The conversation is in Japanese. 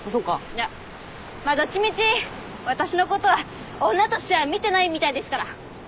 いやまあどっちみち私のことは女としては見てないみたいですから。